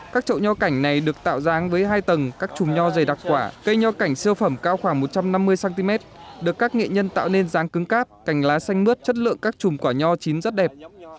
các trậu nho cảnh này được tạo dáng với hai tầng các chùm nho dày đặc quả cây nho cảnh siêu phẩm cao khoảng một trăm năm mươi cm được các nghệ nhân tạo nên ráng cứng cáp cành lá xanh mướt chất lượng các chùm quả nho chín rất đẹp